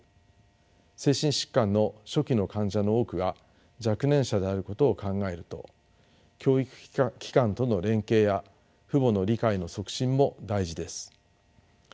精神疾患の初期の患者の多くが若年者であることを考えると教育機関との連携や父母の理解の促進も大事です。